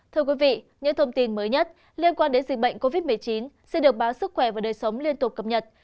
thưa quý vị những thông tin mới nhất liên quan đến dịch bệnh covid một mươi chín sẽ được báo sức khỏe và đời sống liên tục cập nhật